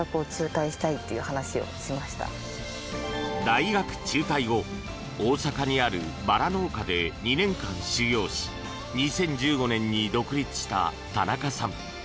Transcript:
大学中退後、大阪にあるバラ農家で２年間修業し２０１５年に独立した田中さん。